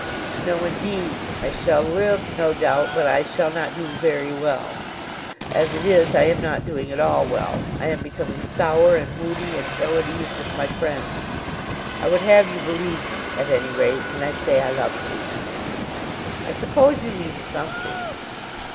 "No, indeed. I shall live, no doubt; but I shall not do very well. As it is, I am not doing at all well. I am becoming sour and moody, and ill at ease with my friends. I would have you believe me, at any rate, when I say I love you." "I suppose you mean something."